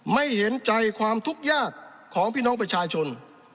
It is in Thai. ไม่เห็นใจความทุกข์ยากของพี่น้องประชาชน